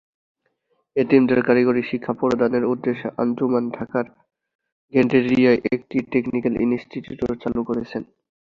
এতিমদের কারিগরি শিক্ষা প্রদানের উদ্দেশ্যে আঞ্জুমান ঢাকার গেন্ডারিয়ায় একটি টেকনিক্যাল ইনস্টিটিউটও চালু করেছে।